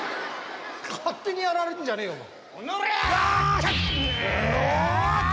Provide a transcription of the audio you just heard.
勝手にやられてんじゃねえよお前。